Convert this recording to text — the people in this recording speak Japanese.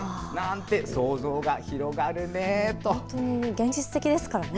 現実的ですからね。